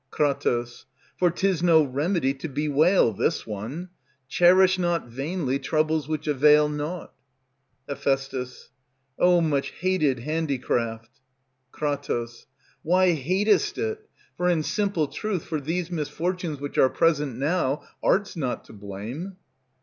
Kr. For 't is no remedy to bewail this one; Cherish not vainly troubles which avail naught. Heph. O much hated handicraft! Kr. Why hatest it? for in simple truth, for these misfortunes Which are present now Art's not to blame.